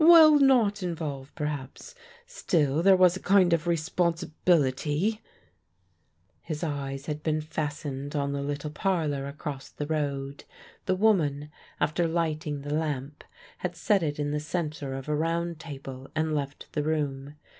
_ Well, not involve, perhaps; still there was a kind of responsibility " His eyes had been fastened on the little parlour across the road. The woman after lighting the lamp had set it in the centre of a round table and left the room.